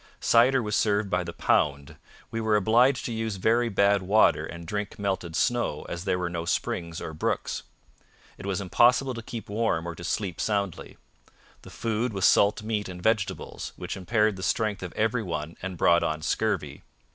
'Cider was served by the pound. We were obliged to use very bad water and drink melted snow, as there were no springs or brooks.' It was impossible to keep warm or to sleep soundly. The food was salt meat and vegetables, which impaired the strength of every one and brought on scurvy.